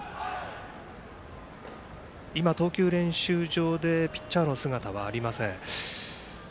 今、投球練習場でピッチャーの姿はありません。